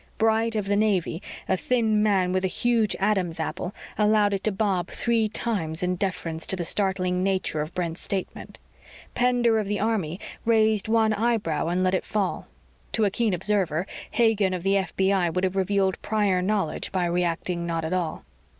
Bright of the Navy, a thin man with a huge Adam's apple, allowed it to bob three times in deference to the startling nature of Brent's statement. Pender of the Army raised one eyebrow and let it fall. To a keen observer, Hagen of the FBI would have revealed prior knowledge by reacting not at all.